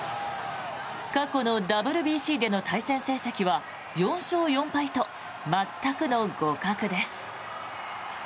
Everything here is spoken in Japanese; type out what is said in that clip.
過去のＷＢＣでの対戦成績は４勝４敗と全くの互角です。